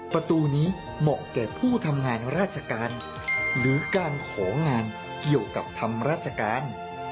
ประตูนี้เหมาะแก่ผู้ทำงานราชการหรือการของานเกี่ยวกับทำราชการ